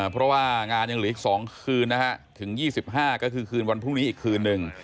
เพราะว่างานยังเหลืออีก๒คืนนะฮะถึง๒๕ก็คือคืนวันพรุ่งนี้อีกคืนนึง